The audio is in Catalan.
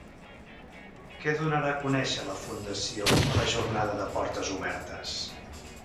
Què donarà a conèixer la fundació a la jornada de portes obertes?